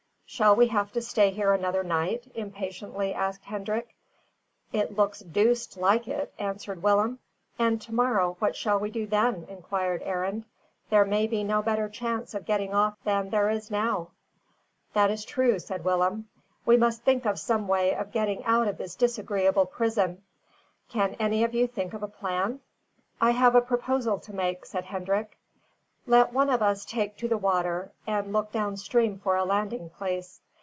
"Shall we have to stay here another night?" impatiently asked Hendrik. "It looks deuced like it," answered Willem. "And to morrow, what shall we do then?" inquired Arend. "There may be no better chance of getting off than there is now." "That is true," said Willem. "We must think of some way of getting out of this disagreeable prison. Can any of you think of a plan?" "I have a proposal to make," said Hendrik. "Let one of us take to the water and look down stream for a landing place.